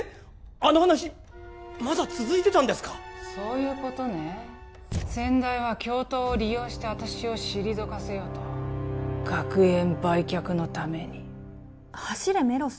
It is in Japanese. あの話まだ続いてたんですかそういうことね先代は教頭を利用して私を退かせようと学園売却のために「走れメロス」？